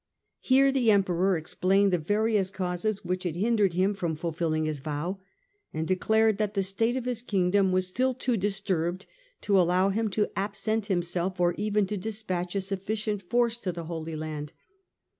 Here the Emperor explained the various causes which had hindered him from fulfilling his vow, and declared that the state of his Kingdom was still too disturbed to allow him to absent himself or even to despatch a sufficient force to the Holy Land.